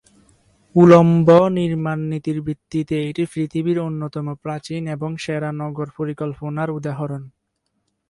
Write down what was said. উলম্ব নির্মাণ নীতির ভিত্তিতে এটি পৃথিবীর অন্যতম প্রাচীন এবং সেরা নগর পরিকল্পনার উদাহরণ।